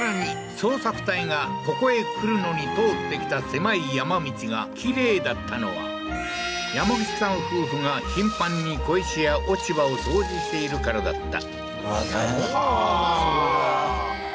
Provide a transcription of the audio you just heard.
捜索隊がここへ来るのに通ってきた狭い山道が綺麗だったのは山口さん夫婦が頻繁に小石や落ち葉を掃除しているからだったあっ大変はあーええー